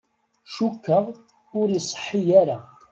Cukkeɣ ur iṣeḥḥi ara.